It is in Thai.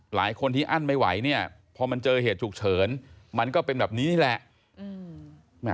หลายคนที่อั้นไม่ไหวเนี่ยพอมันเจอเหตุฉุกเฉินมันก็เป็นแบบนี้นี่แหละ